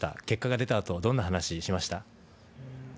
結果が出たあとどんな話しました？